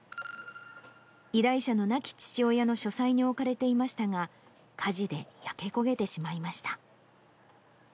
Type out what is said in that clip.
依頼者の亡き父親の書斎に置かれていましたが、火事で焼け焦げてしまいました。